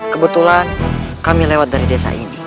kebetulan kami lewat dari desa ini